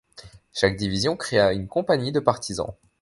Chaque division créa une compagnie de partisans.